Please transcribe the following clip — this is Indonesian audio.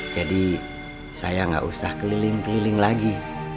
jadi saya gak usah keliling keliling lagi